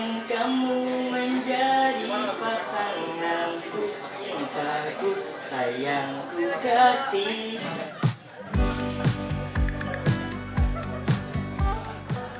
aku ingin kamu menjadi pasanganku cintaku sayangku kasihku